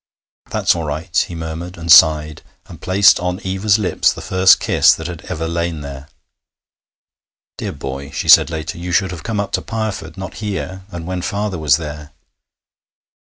'That's all right,' he murmured, and sighed, and placed on Eva's lips the first kiss that had ever lain there. 'Dear boy,' she said later, 'you should have come up to Pireford, not here, and when father was there.'